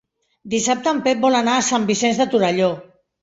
Dissabte en Pep vol anar a Sant Vicenç de Torelló.